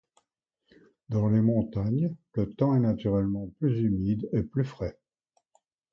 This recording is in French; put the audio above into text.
Dans les montagnes, le temps est naturellement plus humide et plus frais.